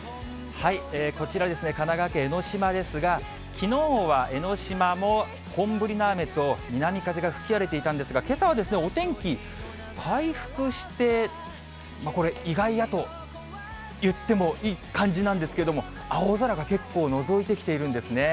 こちらは神奈川県江の島ですが、きのうは江の島も本降りの雨と、南風が吹き荒れていたんですが、けさはお天気、回復して、これ、意外だと言ってもいい感じなんですけども、青空が結構、のぞいてきているんですね。